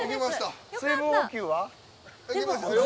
水分補給は？